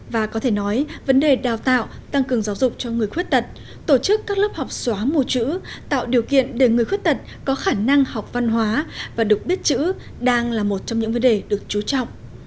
và có thể nói vấn đề đào tạo tăng cường giáo dục cho người khuyết tật tổ chức các lớp học xóa mù chữ tạo điều kiện để người khuyết tật có khả năng học văn hóa và được biết chữ đang là một trong những vấn đề được chú trọng